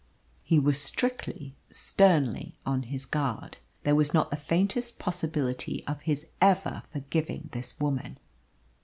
He was strictly, sternly on his guard. There was not the faintest possibility of his ever forgiving this woman.